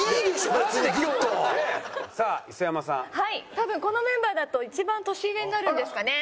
多分このメンバーだと一番年上になるんですかね。